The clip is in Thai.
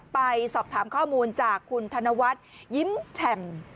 ไปสอบถามข้อมูลจากคุณธนวัฒน์ยิ้มแฉ่ม